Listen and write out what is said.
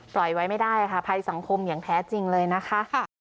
ปล่อยไว้ไม่ได้ค่ะภัยสังคมอย่างแท้จริงเลยนะคะ